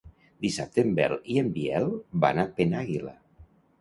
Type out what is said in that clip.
Dissabte en Nel i en Biel van a Penàguila.